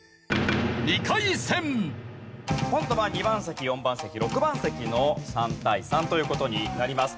今度は２番席４番席６番席の３対３という事になります。